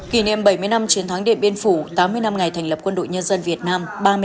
kỷ niệm bảy mươi năm chiến thắng điện biên phủ tám mươi năm ngày thành lập quân đội nhân dân việt nam